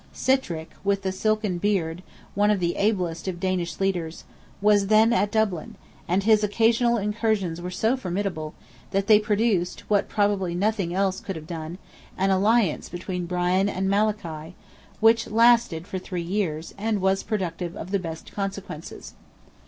Sitrick, "with the silken beard," one of the ablest of Danish leaders, was then at Dublin, and his occasional incursions were so formidable, that they produced (what probably nothing else could have done) an alliance between Brian and Malachy, which lasted for three years, and was productive of the best consequences.